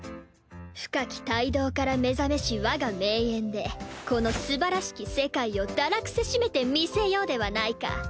深き胎動から目覚めし我が名演でこのすばらしき世界を堕落せしめてみせようではないか。